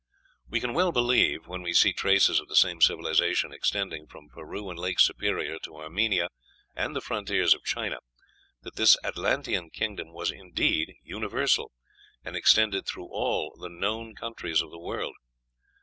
We can well believe, when we see traces of the same civilization extending from Peru and Lake Superior to Armenia and the frontiers of China, that this Atlantean kingdom was indeed "universal," and extended through all the "known countries of the world."